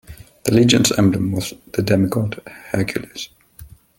The legion's emblem was the demi-god Hercules.